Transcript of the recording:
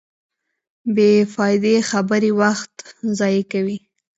بېفائدې خبرې وخت ضایع کوي.